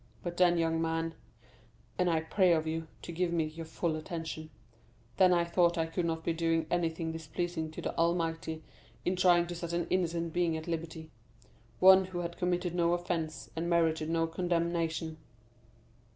But then, young man (and I pray of you to give me your full attention), then I thought I could not be doing anything displeasing to the Almighty in trying to set an innocent being at liberty—one who had committed no offence, and merited not condemnation."